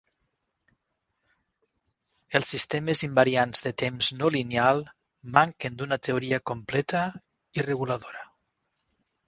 Els sistemes invariants de temps no lineal manquen d'una teoria completa i reguladora.